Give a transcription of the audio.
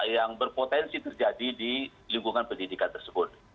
yang berpotensi terjadi di lingkungan pendidikan tersebut